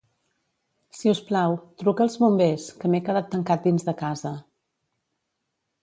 Si us plau, truca als bombers, que m'he quedat tancat dins de casa.